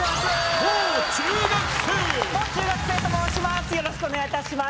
もう中学生と申します